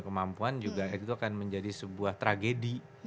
kemampuan juga itu akan menjadi sebuah tragedi